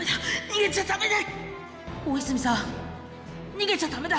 逃げちゃだめだ